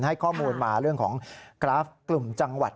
ให้ข้อมูลมาเรื่องของกราฟกลุ่มจังหวัด